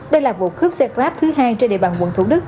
đây là vụ cướp xe grab thứ hai trên địa bàn quận thủ đức